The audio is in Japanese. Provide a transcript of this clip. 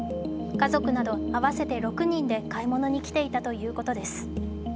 家族など、合わせて６人で買い物に来ていたということです。